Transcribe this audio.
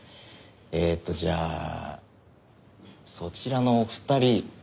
えーっとじゃあそちらのお二人。